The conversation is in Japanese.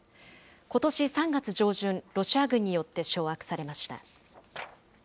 ことし３月上旬、ロシア軍によって掌握されました。